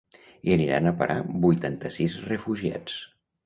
Hi aniran a parar vuitanta-sis refugiats.